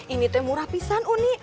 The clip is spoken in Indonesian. ini tuh yang murah pisan uni